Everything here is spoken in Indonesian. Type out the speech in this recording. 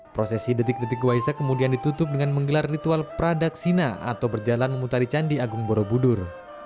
prosesi detik detik waisak kemudian ditutup dengan menggelar ritual pradaksina atau berjalan memutari candi agung borobudur